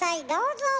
どうぞ！